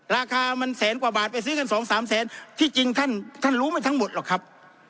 ราคามันแสนกว่าบาทไปซื้อกันสองสามแสนที่จริงท่านท่านรู้ไม่ทั้งหมดหรอกครับ